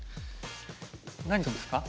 何するんですか？